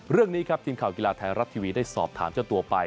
เรื่องนี้ครับทีมข่าวกีฬาไทยรัฐทีวีได้สอบถามเจ้าตัวไป